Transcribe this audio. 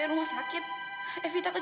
ya udah kita bisa